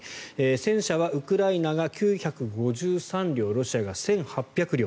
戦車はウクライナが９５３両ロシアが１８００両。